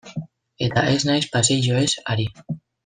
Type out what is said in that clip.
Eta ez naiz paseilloez ari.